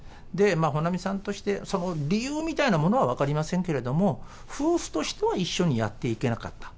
保奈美さんとして、その理由みたいなものは分かりませんけれども、夫婦としては一緒にやっていけなかった。